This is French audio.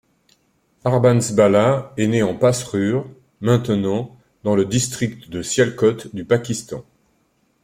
Harbans Bhalla est né en Pasrur, maintenant, dans le District de Sialkot du Pakistan.